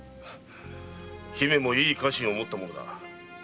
姫もいい家臣を持ったものだ。